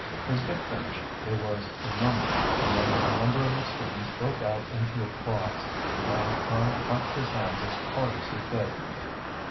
As Dick finished there was a murmur, and then a number of the students broke out into applause, while Tom clapped his hands as hard as he could.